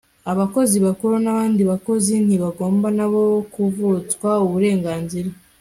abakozi bakuru n'abandi bakozi ntibagomba nabo kuvutswa uburenganzira